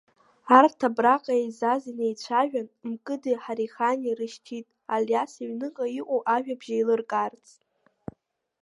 Арҭ, абраҟа еизаз, инеицәажәан, Мкыди Ҳарихани рышьҭит Алиас иҩныҟа, иҟоу ажәабжь еилыркаарц…